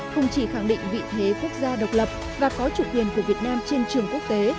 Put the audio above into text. không chỉ khẳng định vị thế quốc gia độc lập và có chủ quyền của việt nam trên trường quốc tế